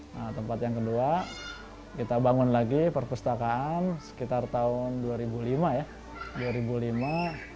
nah tempat yang kedua kita bangun lagi perpustakaan sekitar tahun dua ribu lima ya